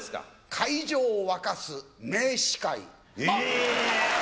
会場を沸かす名司会。